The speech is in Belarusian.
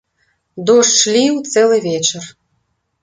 Дождж ліў цэлы вечар.